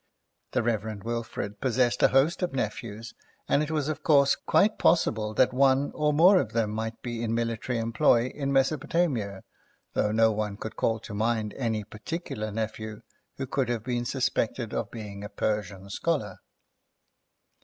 The Rev. Wilfrid possessed a host of nephews, and it was of course, quite possible that one or more of them might be in military employ in Mesopotamia, though no one could call to mind any particular nephew who could have been suspected of being a Persian scholar.